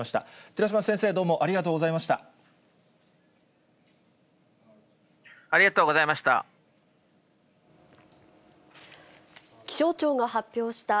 寺嶋先生、どうもありがとうございました。